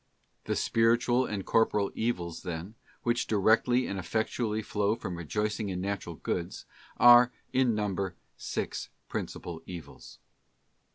The spiritual and corporal evils, then, which directly and effectually flow from rejoicing in Natural Goods, are, in num ber, six principal evils.